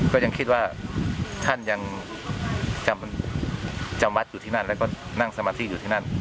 ก็ยังคิดว่าท่านยังจำวัดอยู่ที่นั่นแล้วก็นั่งสมาธิอยู่ที่นั่น